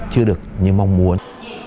chưa được như mong muốn